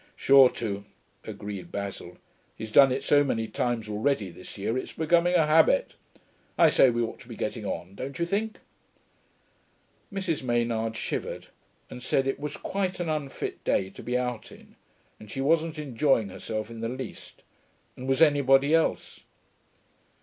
'Sure to,' agreed Basil. 'He's done it so many times already this year, it's becoming a habit.... I say, we ought to be getting on, don't you think?' Mrs. Maynard shivered, and said it was quite an unfit day to be out in, and she wasn't enjoying herself in the least, and was anybody else?